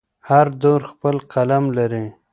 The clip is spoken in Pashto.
هر دور خپل قلم لري.